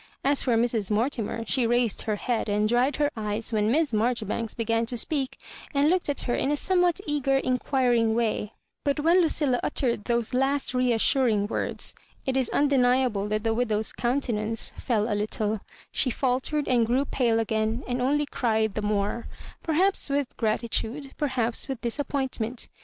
As for Mrs. Mortimer, she raised her head and dried her eyes when Miss Marjoribanks began to speak, and looked at her in a somewhat eager, inquiring way ; but when Lucilla uttered those last reas suring words, it is undeniable that the widow^s countenance fell a littla She Altered and grew pale again, and only cried the more — perhaps with gratitude, perhaps with disappointment.